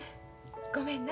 ごめんな。